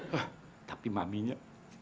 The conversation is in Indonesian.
hah tapi maminya